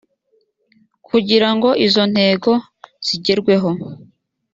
kugira ngo izo ntego zigerweho